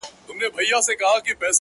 زړه ته د ښايست لمبه پوره راغلې نه ده،